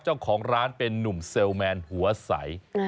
เจ้าของร้านเป็นนุ่มเซลลแมนหัวใส